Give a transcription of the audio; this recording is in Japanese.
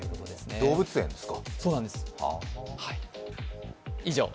動物園ですか。